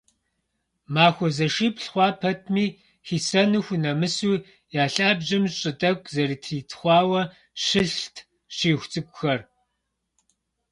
Махуэ зыщыплӏ хъуа пэтми, хисэну хунэмысу, я лъабжьэм щӏы тӏэкӏу зэрытритхъуауэ, щылът щиху цӏыкӏухэр.